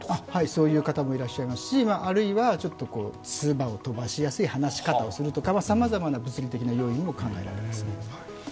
そういう方もいらっしゃいしますしあるいは、つばを飛ばしやすい話し方をするとか、さまざまな物理的な要因も考えられます。